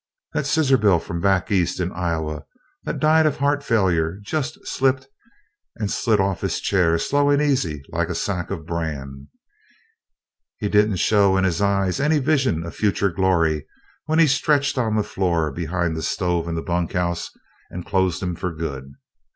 That Scissor bill from back East in Ioway that died of heart failure jest slipped and slid off his chair, slow and easy like a sack of bran he didn't show in his eyes any visions of future glory when he stretched on the floor behind the stove in the bunkhouse and closed 'em for good.